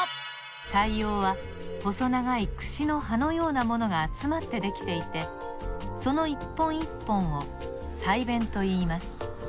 鰓葉は細長いくしの歯のようなものがあつまってできていてこの一本一本を鰓弁といいます。